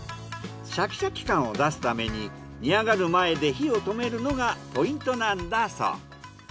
シャキシャキ感を出すために煮あがる前で火を止めるのがポイントなんだそう。